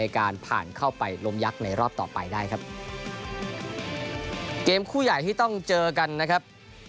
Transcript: การผ่านเข้าไปลมยักษ์ในรอบต่อไปได้ครับเกมคู่ใหญ่ที่ต้องเจอกันนะครับ